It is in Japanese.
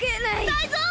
タイゾウ！